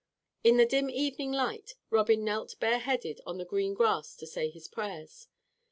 In the dim evening light Robin knelt bareheaded on the green grass to say his prayers.